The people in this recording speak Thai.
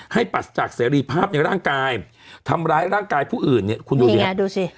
ให้ปัดจากเสรีภาพในร่างกายทำร้ายร่างกายผู้อื่นเนี้ยคุณดูเนี้ยนี่ไงดูสิ